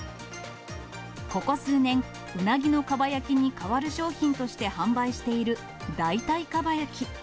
ここ数年、うなぎのかば焼きに代わる商品として販売している、代替かば焼き。